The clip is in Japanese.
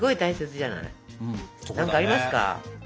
何かありますか？